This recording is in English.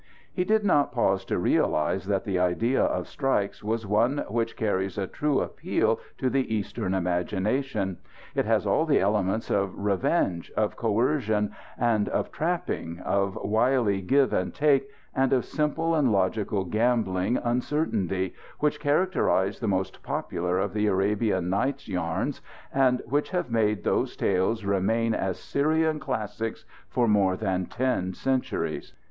He did not pause to realize that the idea of strikes was one which carries a true appeal to the Eastern imagination. It has all the elements of revenge, of coercion, and of trapping, of wily give and take, and of simple and logical gambling uncertainty, which characterize the most popular of the Arabian Nights yarns and which have made those tales remain as Syrian classics for more than ten centuries.